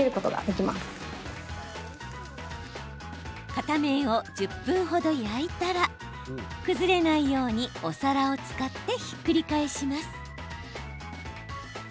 片面を１０分程、焼いたら崩れないようにお皿を使ってひっくり返します。